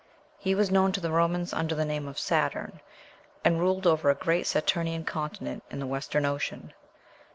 He was known to the Romans under the name of Saturn, and ruled over "a great Saturnian continent" in the Western Ocean.